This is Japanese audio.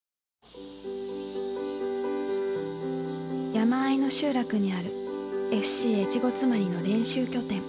山あいの集落にあるＦＣ越後妻有の練習拠点。